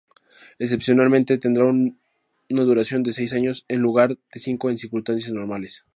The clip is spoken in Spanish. Excepcionalmente, tendrá una duración de seis años en lugar de cinco en circunstancias normales.